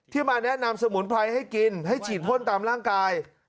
มาแนะนำสมุนไพรให้กินให้ฉีดพ่นตามร่างกาย